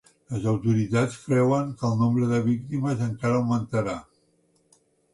Les autoritats creuen que el nombre de víctimes encara augmentarà